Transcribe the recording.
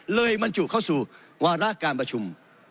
บรรจุเข้าสู่วาระการประชุม